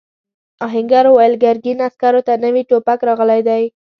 آهنګر وویل ګرګین عسکرو ته نوي ټوپک راغلی دی.